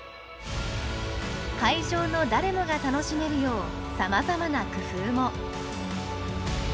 会場の誰もが楽しめるようさまざまな工夫も。